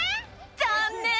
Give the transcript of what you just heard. ざんねん！